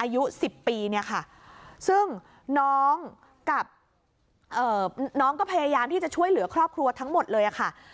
อายุ๑๐ปีเนี่ยค่ะซึ่งน้องกับน้องก็พยายามที่จะช่วยเหลือครอบครัวทั้งหมดเลยค่ะ